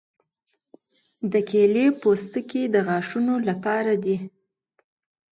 د کیلې پوستکي د غاښونو لپاره دي.